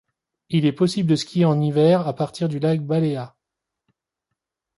Il est possible de skier en hiver à partir du lac Bâlea.